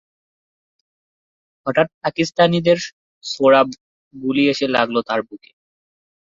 হঠাৎ পাকিস্তানিদের ছোড়া গুলি এসে লাগল তার বুকে।